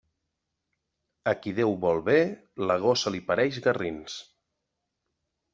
A qui Déu vol bé, la gossa li pareix garrins.